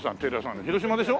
広島でしょ？